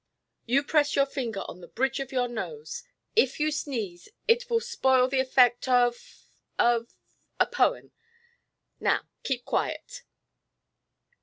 "You press your finger on the bridge of your nose: if you sneeze, it will spoil the effect of of a poem. Now, keep quiet."